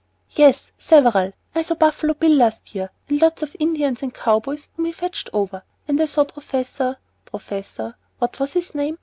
"Yes, several. I saw Buffalo Bill last year, and lots of Indians and cow boys whom he had fetched over. And I saw Professor Professor what was his name?